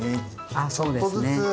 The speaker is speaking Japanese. ああそうですね。